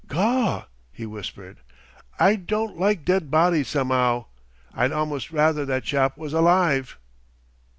"Gaw!" he whispered, "I don' like dead bodies some'ow! I'd almost rather that chap was alive."